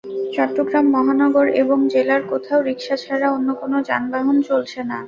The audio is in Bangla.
চট্টগ্রাম মহানগর এবং জেলার কোথাও রিকশা ছাড়া অন্য কোনো যানবাহন চলছে না।